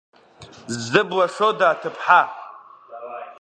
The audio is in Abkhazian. Ззы блашода аҭыԥҳа?